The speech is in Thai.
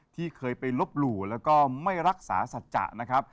ที่ไปเลิฟหลูแล้วก็ไม่รักษาศัฒตร์ชะนะครับ